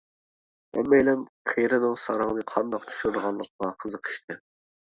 ھەممەيلەن قېرىنىڭ ساراڭنى قانداق چۈشۈرىدىغانلىقىغا قىزىقىشتى.